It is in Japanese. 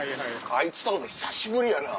あいつと会うの久しぶりやな。